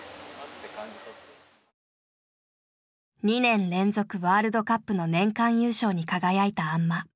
２年連続ワールドカップの年間優勝に輝いた安間。